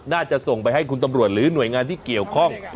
น่าจะส่งไปให้คุณตำรวจหรือหน่วยงานที่เกี่ยวข้อง